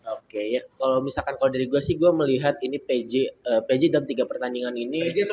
oke kalau misalkan dari gue sih gue melihat pj dalam tiga pertandingan ini